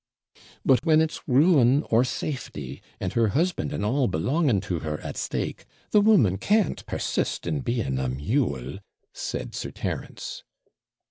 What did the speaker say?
'But when it's ruin or safety, and her husband and all belonging to her at stake, the woman can't persist in being a mule,' said Sir Terence.